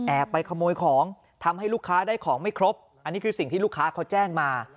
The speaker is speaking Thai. ไปขโมยของทำให้ลูกค้าได้ของไม่ครบอันนี้คือสิ่งที่ลูกค้าเขาแจ้งมา